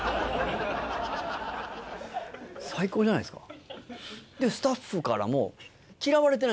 最高じゃないですか？